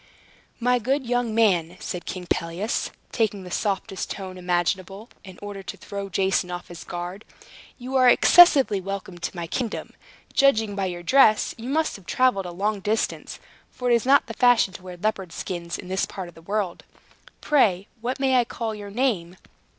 "My good young man," said King Pelias, taking the softest tone imaginable, in order to throw Jason off his guard, "you are excessively welcome to my kingdom. Judging by your dress, you must have traveled a long distance, for it is not the fashion to wear leopard skins in this part of the world. Pray what may I call your name?